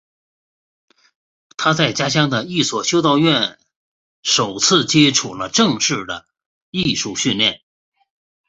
他在家乡的一所修道院首次接触了正式的艺术训练。